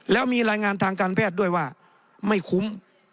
แล้วมีรายงานทางการแพทย์ด้วยว่าไม่คุ้ม